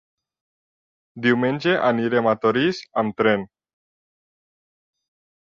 Diumenge anirem a Torís amb tren.